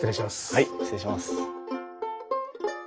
はい失礼します。